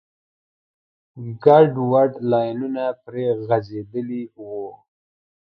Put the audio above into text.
ګډوډ لاینونه پرې غځېدلي وو.